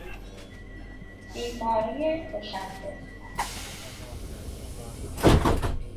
بیماری کشنده